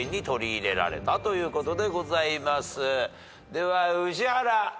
では宇治原。